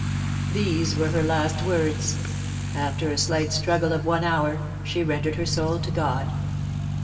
These were her last words. After a slight struggle of one hour, she rendered her soul to God.